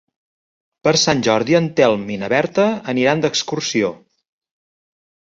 Per Sant Jordi en Telm i na Berta aniran d'excursió.